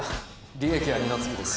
利益は二の次です。